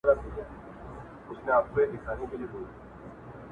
چنار چنار جونې ملاماتې درته ونڅېدې